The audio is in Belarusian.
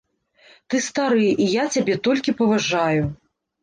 Ты стары, і я цябе толькі паважаю.